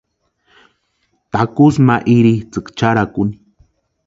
Takusï ma irhitsʼïku charhakuni.